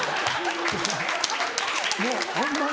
もうホンマに。